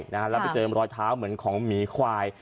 แล้วไปเจอรอยเท้าเหมือนของหมีควาย